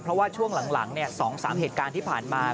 เพราะว่าช่วงหลัง๒๓เหตุการณ์ที่ผ่านมา